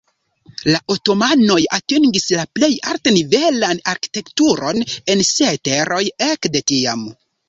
La otomanoj atingis la plej alt-nivelan arkitekturon en siaj teroj ekde tiam.